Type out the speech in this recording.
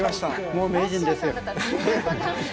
もう名人ですよ。